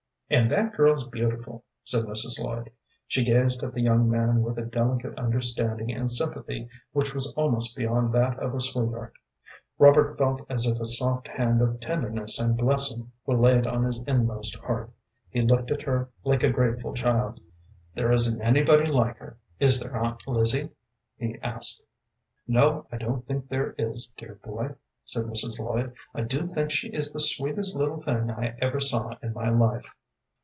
"And that girl's beautiful," said Mrs. Lloyd. She gazed at the young man with a delicate understanding and sympathy which was almost beyond that of a sweetheart. Robert felt as if a soft hand of tenderness and blessing were laid on his inmost heart. He looked at her like a grateful child. "There isn't anybody like her, is there, Aunt Lizzie?" he asked. "No, I don't think there is, dear boy," said Mrs. Lloyd. "I do think she is the sweetest little thing I ever saw in my life."